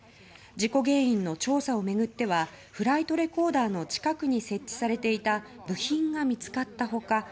事故原因の調査を巡ってはフライトレコーダーの近くに設置されていた部品が見つかった他